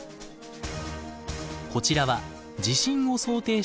こちらは地震を想定した訓練の様子。